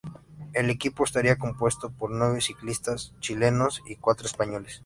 El equipo estaría compuesto por nueve ciclistas chilenos y cuatro españoles.